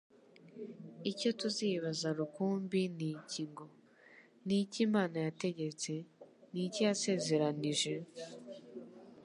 Icyo tuzibaza rukumbi n'iki ngo : Ni iki Imana yategetse'? Ni iki yasezeranije?